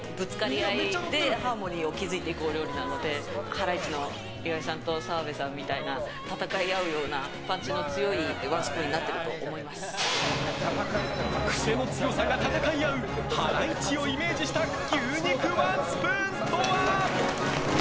ハライチの岩井さんと澤部さんみたいな戦いあうようなパンチの強いワンスプーンに癖の強さが戦い合うハライチをイメージした牛肉ワンスプーンとは？